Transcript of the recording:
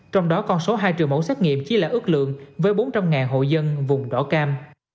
trong đó con số hai trường mẫu xét nghiệm chỉ là ước lượng với bốn trăm linh hộ dân vùng đỏ cam